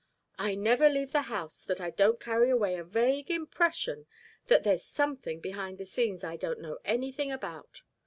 I never leave that house that I don't carry away a vague impression that there's something behind the scenes I don't know anything about.